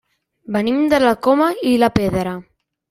Venim de la Coma i la Pedra.